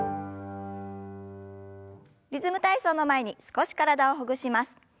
「リズム体操」の前に少し体をほぐします。